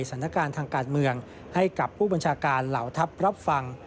สถานการณ์ทางการเมืองให้กับผู้บัญชาการเหล่าทัพรับฟัง